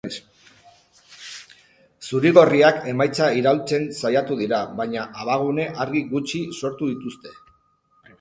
Zuri-gorriak emaitza iraultzen saiatu dira, baina abagune argi gutxi sortu dituzte.